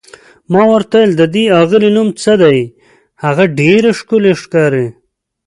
ما ورته وویل: د دې اغلې نوم څه دی، هغه ډېره ښکلې ښکاري؟